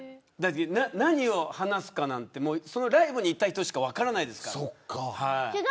何を話すかなんてライブに行った人しか分からないですから。